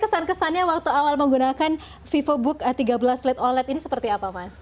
kesan kesannya waktu awal menggunakan vivobook tiga belas late oled ini seperti apa mas